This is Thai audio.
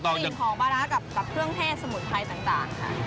กับเครื่องแห้สมุดไทยต่างค่ะ